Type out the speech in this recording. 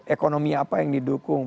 ekonomi apa yang didukung